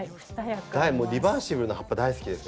リバーシブルの葉っぱ大好きですから。